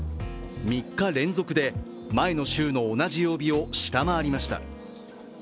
３日連続で前の週の同じ曜日を下回りました。